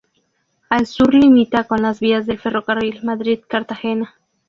Al sur limita con las vías del ferrocarril Madrid-Cartagena.